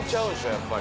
やっぱり。